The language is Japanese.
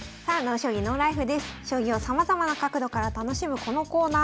将棋をさまざまな角度から楽しむこのコーナー。